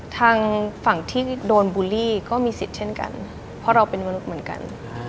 ทางฝั่งที่โดนบูลลี่ก็มีสิทธิ์เช่นกันเพราะเราเป็นมนุษย์เหมือนกัน